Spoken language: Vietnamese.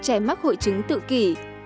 trẻ mắc hội chứng tự kỷ